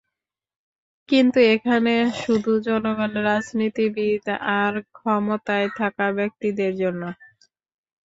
কিন্তু এখানে শুধু জনগণ রাজনীতিবিদ আর ক্ষমতায় থাকা ব্যক্তিদের জন্য।